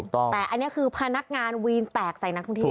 แต่อันนี้คือพนักงานวีนแตกใส่นักท่องเที่ยว